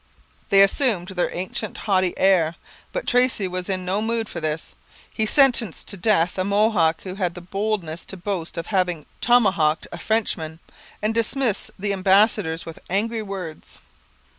They assumed their ancient haughty air; but Tracy was in no mood for this. He sentenced to death a Mohawk who had the boldness to boast of having tomahawked a Frenchman, and dismissed the ambassadors with angry words.